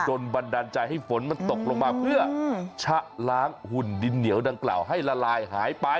บันดาลใจให้ฝนมันตกลงมาเพื่อชะล้างหุ่นดินเหนียวดังกล่าวให้ละลายหายไป